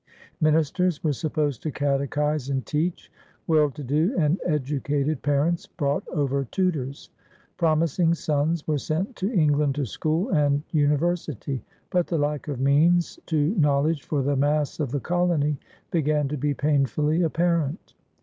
Ministers were supposed to catechise and teach. Well to do and educated parents brought over tutors. Prom ising sons were sent to England to school and university. But the lack of means to knowledge for the mass of the colony began to be painfully apparent.